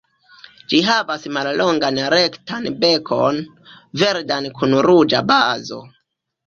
Ĝi havas mallongan rektan bekon, verdan kun ruĝa bazo.